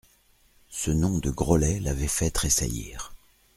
Ce nom de Grollet l'avait fait tressaillir.